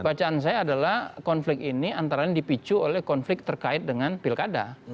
bacaan saya adalah konflik ini antara lain dipicu oleh konflik terkait dengan pilkada